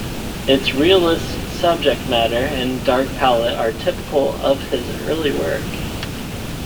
Its realist subject matter and dark palette are typical of his early work.